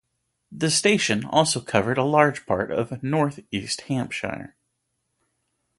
The station also covered a large part of North-East Hampshire.